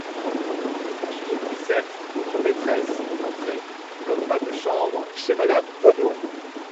Une fille Louisette, votre maîtresse, est entrée, comme femme de chambre, chez madame Bonnehon.